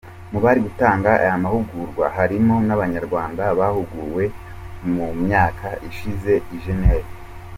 Mu bari gutanga aya mahugurwa harimo n’abanyarwanda bahuguwe mu myaka ishize i Genève.